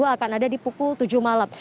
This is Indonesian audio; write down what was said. akan ada di pukul tujuh malam